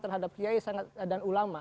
terhadap kiai dan ulama